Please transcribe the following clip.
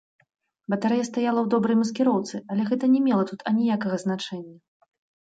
Батарэя стаяла ў добрай маскіроўцы, але гэта не мела тут аніякага значэння.